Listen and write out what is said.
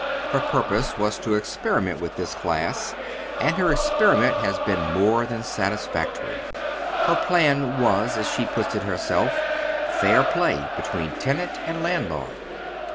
Her purpose was to experiment with this class, and her experiment has been more than satisfactory. Her plan was, as she puts it her self, fair play between tenant and landlord.